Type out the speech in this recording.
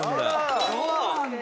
「そうなんだ！」